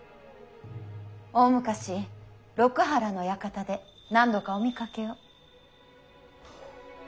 大昔六波羅の館で何度かお見かけを。